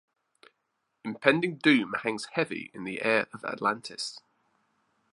Impending doom hangs heavy in the air of Atlantis.